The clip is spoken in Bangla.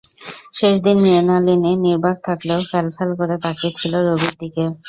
শেষ দিন মৃণালিনী নির্বাক থাকলেও ফ্যালফ্যাল করে তাকিয়ে ছিল রবির দিকে।